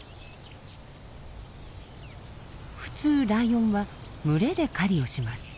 普通ライオンは群れで狩りをします。